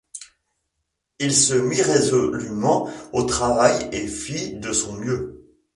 Il se mit résolument au travail et fit de son mieux.